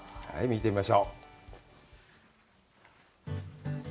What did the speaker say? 見てみましょう。